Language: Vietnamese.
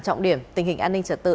trọng điểm tình hình an ninh trật tự